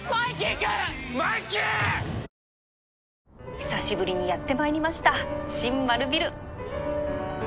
久しぶりにやってまいりました新丸ビル